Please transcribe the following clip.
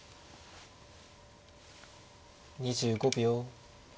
２５秒。